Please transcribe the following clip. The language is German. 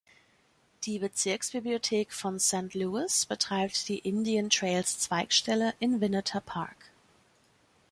Die Bezirksbibliothek von Saint Louis betreibt die Indian Trails-Zweigstelle in Vinita Park.